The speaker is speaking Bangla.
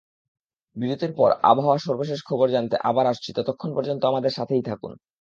বিরতির পর আবহাওয়ার সর্বশেষ খবর জানাতে আবার আসছি ততক্ষণ পর্যন্ত আমাদের সাথেই থাকুন।